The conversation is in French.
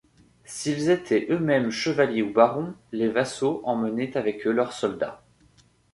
S'ils étaient eux-mêmes chevaliers ou barons, les vassaux emmenaient avec eux leurs soldats.